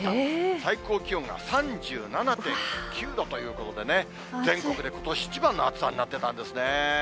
最高気温が３７．９度ということでね、全国でことし一番の暑さになってたんですね。